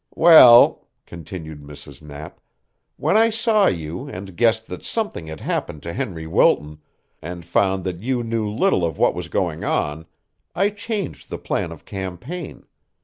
"Well," continued Mrs. Knapp, "when I saw you and guessed that something had happened to Henry Wilton, and found that you knew little of what was going on, I changed the plan of campaign.